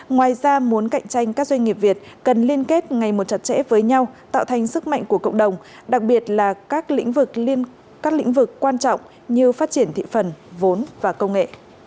ngoài ra muốn cạnh tranh các doanh nghiệp việt cần liên kết ngày một chặt chẽ với nhau tạo thành sức mạnh của cộng đồng đặc biệt là các lĩnh vực các lĩnh vực quan trọng như phát triển thị phần vốn và công nghệ